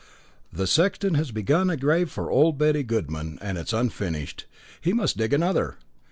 "The sexton has begun a grave for old Betty Goodman, and it is unfinished. He must dig another."